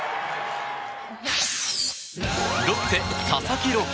ロッテ、佐々木朗希。